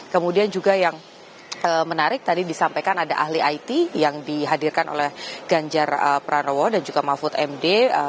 kemudian juga yang menarik tadi disampaikan ada ahli it yang dihadirkan oleh ganjar pranowo dan juga mahfud md